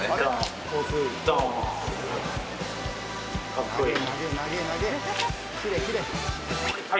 かっこいい。